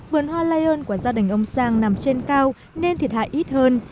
vườn hoa lion của gia đình ông sang nằm trên cao nên thiệt hại ít hơn